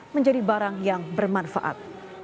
menjadi barang yang bermanfaat